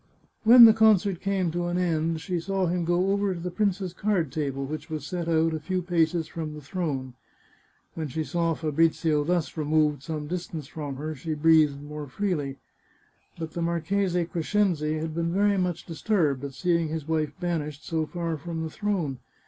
When the concert came to an end, she saw him go over to the prince's card table, which was set out a few paces from the throne. When she saw Fabrizio thus removed some distance from her she breathed more freely. But the Marchese Crescenzi had been very much dis turbed at seeing his wife banished so far from the throne.